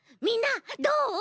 みんなどう？